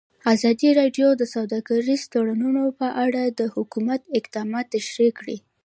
ازادي راډیو د سوداګریز تړونونه په اړه د حکومت اقدامات تشریح کړي.